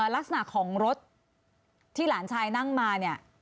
ลักษณะของรถที่หลานชายนั่งมาเนี่ย